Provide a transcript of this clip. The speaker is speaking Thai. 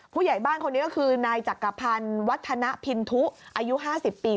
ผู้ใหญ่บ้านคนนี้ก็คือนายจักรพันธ์วัฒนพินทุอายุ๕๐ปี